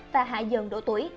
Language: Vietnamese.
và hạ dần độ tuổi